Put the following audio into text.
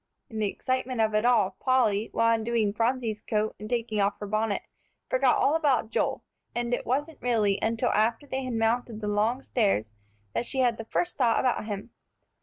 In the excitement of it all, Polly, while undoing Phronsie's coat and taking off her bonnet, forgot all about Joel, and it wasn't really until after they had mounted the long stairs that she had the first thought about him.